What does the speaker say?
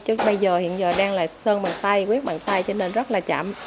chứ bây giờ hiện giờ đang là sơn bằng tay quyết bằng tay cho nên rất là chậm